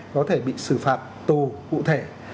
có thể bị xử phạt tù cụ thể